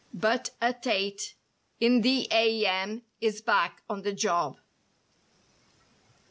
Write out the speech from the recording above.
But at eight in the a. m., is back on the job.